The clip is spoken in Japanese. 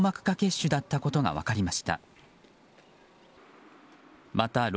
下血腫だったことが分かりました。